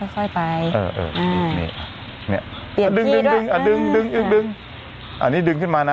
ค่อยไปเออเออนี่เนี่ยดึงดึงอ่ะดึงดึงดึงอันนี้ดึงขึ้นมานะ